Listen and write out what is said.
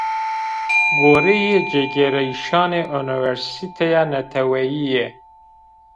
Goreyê cigêrayîşanê Unîversîteya Neteweyîye